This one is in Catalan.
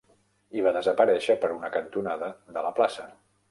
I va desaparèixer per una cantonada de la plaça.